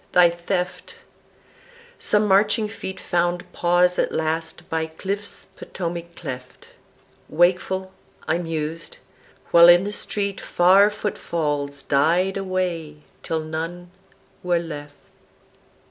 thy theft); Some marching feet Found pause at last by cliffs Potomac cleft; Wakeful I mused, while in the street Far footfalls died away till none were left.